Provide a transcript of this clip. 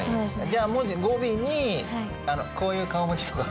じゃあ語尾にこういう顔文字とか。